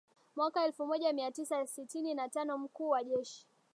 mwaka elfu moja mia tisa sitini na tano mkuu wa jeshi